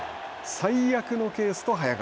最悪のケースと早川。